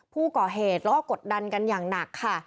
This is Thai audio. ผู้ก่อเหตุแล้วก็กดดันกันอย่างหนักค่ะ